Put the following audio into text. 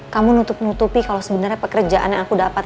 kamu nutup nutupi kalau sebenarnya pekerjaan yang aku dapat